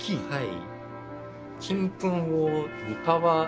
はい。